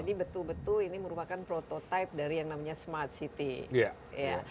jadi betul betul ini merupakan prototipe dari yang namanya smart city